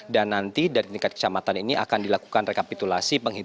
dan nanti dari tingkat kecamatan ini akan dilakukan rekapitulasi